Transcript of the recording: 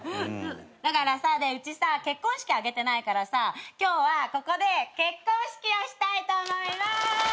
だからさうちさ結婚式挙げてないからさ今日はここで結婚式をしたいと思います！